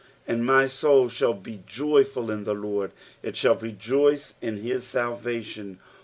9 And my soul shall be joyful in the LORD : it shall rejoice in his salvation.